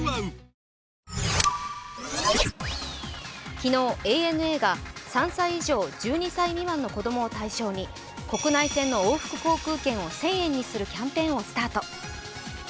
昨日、ＡＮＡが３歳以上１２歳未満の子供を対象に国内線の往復航空券を１０００円にするキャンペーンをスタート。